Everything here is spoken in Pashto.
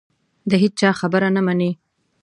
د هېچا خبره نه مني